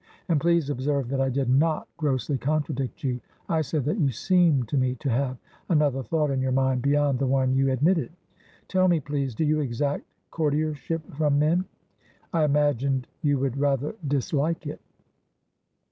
And please observe that I did not grossly contradict you. I said that you seemed to me to have another thought in your mind beyond the one you admitted. Tell me, please; do you exact courtiership from men? I imagined you would rather dislike it."